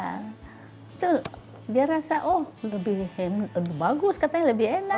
itu dia rasa oh lebih bagus katanya lebih enak